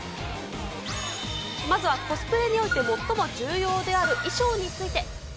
まずはコスプレにおいて最も重要である衣装について。